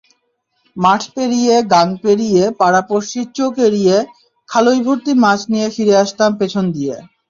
মাঠ পেরিয়ে গাঙ পেরিয়েপাড়া পড়শির চোখ এড়িয়েখালই ভর্তি মাছ নিয়েফিরে আসতাম পেছন দিয়ে।